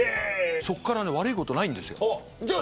そこから悪いことないんですよ。